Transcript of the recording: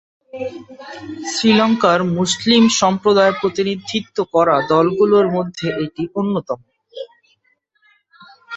শ্রীলঙ্কার মুসলিম সম্প্রদায়ের প্রতিনিধিত্ব করা দলগুলোর মধ্যে এটি অন্যতম।